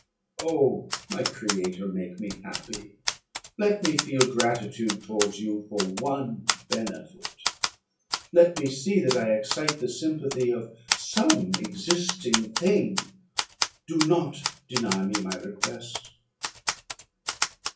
Oh! my creator, make me happy; let me feel gratitude towards you for one benefit! Let me see that I excite the sympathy of some existing thing; do not deny me my request!"